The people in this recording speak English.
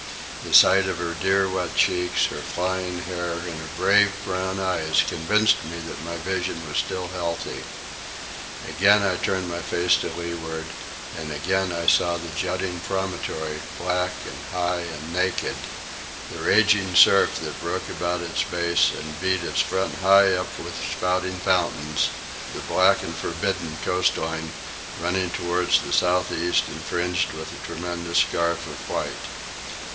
The sight of her dear wet cheeks, her flying hair, and her brave brown eyes convinced me that my vision was still healthy. Again I turned my face to leeward, and again I saw the jutting promontory, black and high and naked, the raging surf that broke about its base and beat its front high up with spouting fountains, the black and forbidding coast line running toward the south east and fringed with a tremendous scarf of white.